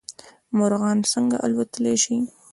مرغان څنګه الوتلی شي؟